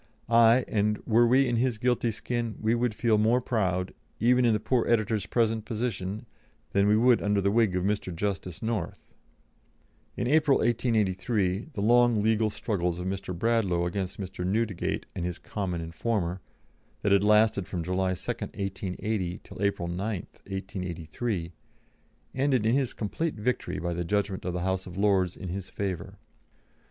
Aye, and were we in his guilty skin, we would feel more proud, even in the poor editor's present position, than we would under the wig of Mr. Justice North." In April, 1883, the long legal struggles of Mr. Bradlaugh against Mr. Newdegate and his common informer, that had lasted from July 2, 1880, till April 9, 1883, ended in his complete victory by the judgment of the House of Lords in his favour.